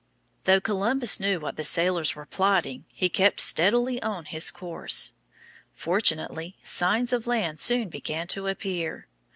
Though Columbus knew what the sailors were plotting, he kept steadily on his course. Fortunately, signs of land soon began to appear.